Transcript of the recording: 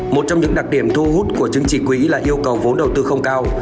một trong những đặc điểm thu hút của chứng chỉ quỹ là yêu cầu vốn đầu tư không cao